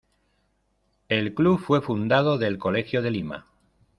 El club fue fundado del Colegio de Lima.